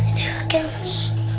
itu kan i